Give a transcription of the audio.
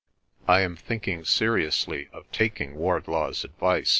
..." I am thinking seriously of taking Wardlaw's advice.